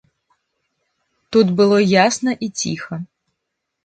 Тут было ясна і ціха.